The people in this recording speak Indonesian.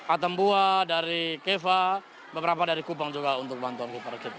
atembuah dari keva beberapa dari kupang juga untuk bantuan kupang